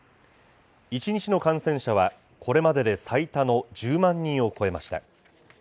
１日の感染者は、これまでで最多の１０万人を超えました。